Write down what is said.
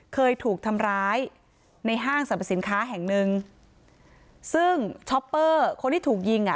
เคยถูกทำร้ายในห้างสรรพสินค้าแห่งหนึ่งซึ่งช้อปเปอร์คนที่ถูกยิงอ่ะ